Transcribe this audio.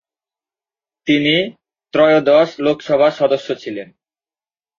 তিনি ত্রয়োদশ লোকসভার সদস্য ছিলেন।